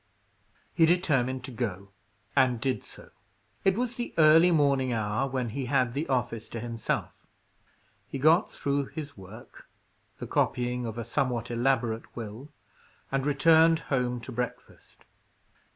He determined to go, and did so. It was the early morning hour, when he had the office to himself. He got through his work the copying of a somewhat elaborate will and returned home to breakfast.